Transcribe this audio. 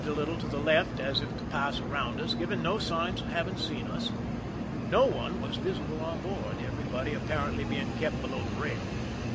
It swerved a little to the left as if to pass around us, giving no signs of having seen us. No one was visible on board, everybody apparently being kept below the rail.